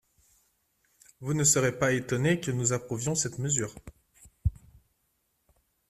Vous ne serez pas étonnés que nous approuvions cette mesure.